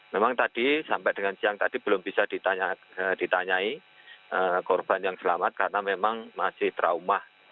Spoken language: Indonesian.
memang tadi sampai dengan siang tadi belum bisa ditanyai korban yang selamat karena memang masih trauma